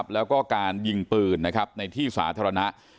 แล้วก็การยิงปืนในที่สาธารณะ